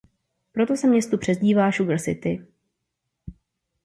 Proto se městu přezdívá "Sugar City".